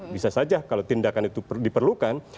bisa saja kalau tindakan itu diperlukan